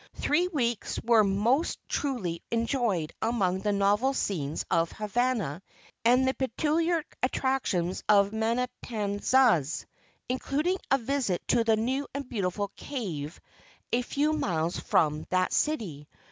Three weeks were most truly enjoyed among the novel scenes of Havana and the peculiar attractions of Mantanzas, including a visit to the new and beautiful Cave a few miles from that city.